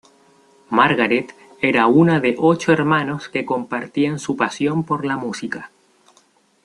Margaret era una de ocho hermanos que compartían su pasión por la música.